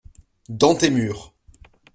Dans tes murs.